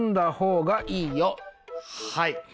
はい。